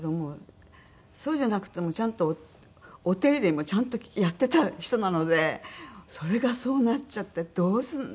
そうじゃなくてもちゃんとお手入れもちゃんとやってた人なのでそれがそうなっちゃってどうするの？